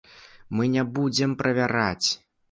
Мы не будзем правяраць.